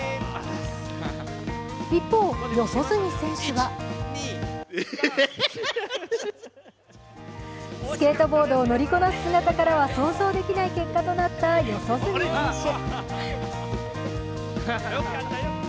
一方、四十住選手はスケートボードを乗りこなす姿からは想像できない結果となった四十住選手。